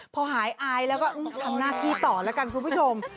พอหายอายแล้วก็ทำหน้าที่ต่อแล้วกันคุณผู้ชม